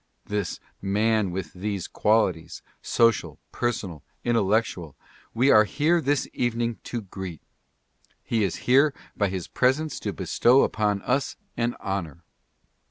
This man with these qualities — social, personal, intellectual — we are here this evening to greet. He is here by his presence to bestow upon us an honor.